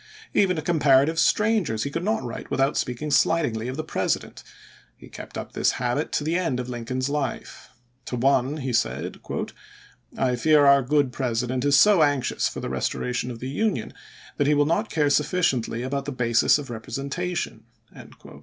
Even to comparative strangers he could not write without speaking slightingly of the President. He kept up this habit to the end of Lincoln's life. To one he said :" I fear our good President is so anx chase ious for the restoration of the Union that he will F^ 523' ' not care sufficiently about the basis of representa ™jj£ tion."